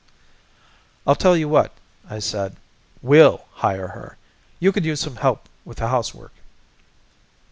"I tell you what," I said. "We'll hire her. You could use some help with the housework."